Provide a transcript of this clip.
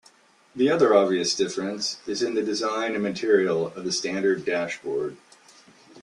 The other obvious difference is in the design and material of the standard dashboard.